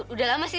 udah lama sih